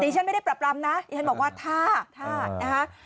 ฉันไม่ได้ปรับปรำนะดิฉันบอกว่าถ้าถ้านะคะ